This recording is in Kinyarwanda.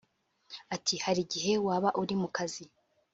Ati "Hari igihe wabaga uri mu kazi